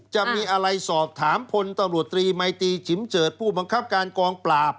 จะมีอะไรสอบถามพลตำรวจตรีมัยตีฉิมเจิดผู้บังคับการกองปราบ